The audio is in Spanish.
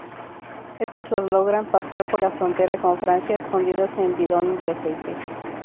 Estas las logran pasar por la frontera con Francia, escondidas en bidones de aceite.